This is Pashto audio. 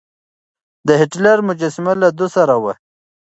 د هېټلر مجسمه له ده سره وه.